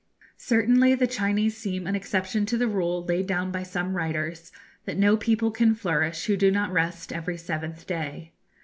Certainly the Chinese seem an exception to the rule laid down by some writers, that no people can flourish who do not rest every seventh day.